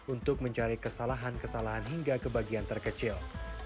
untuk mencari kesalahan kesalahan hingga ke bagian terkecil